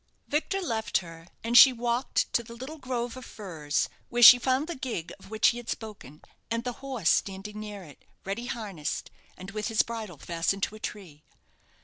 Victor left her, and she walked to the little grove of firs, where she found the gig of which he had spoken, and the horse standing near it, ready harnessed, and with his bridle fastened to a tree.